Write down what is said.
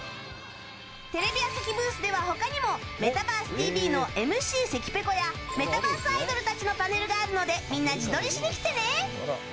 テレビ朝日ブースでは、他にも「メタバースＴＶ！！」のＭＣ関ぺこやメタバースアイドルたちのパネルがあるのでみんな、自撮りしに来てね！